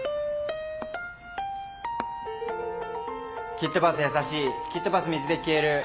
キットパスやさしいキットパス水で消える。